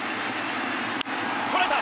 捉えた！